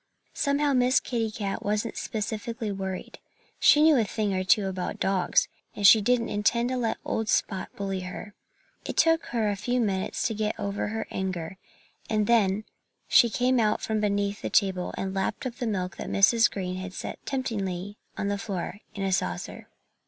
Somehow Miss Kitty Cat wasn't specially worried. She knew a thing or two about dogs; and she didn't intend to let old Spot bully her. It took her a few minutes to get over her anger. And then she came out from beneath the table and lapped up the milk that Mrs. Green had set temptingly on the floor, in a saucer.